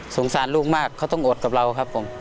สารลูกมากเขาต้องอดกับเราครับผม